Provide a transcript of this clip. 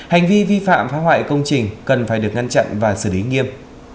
hành vi vi phạm phá hoại công trình cần phải được ngăn chặn và xử lý nghiêm